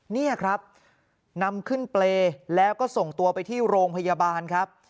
นี่ครับนำขึ้นเปรย์แล้วก็ส่งตัวไปที่โรงพยาบาลครับ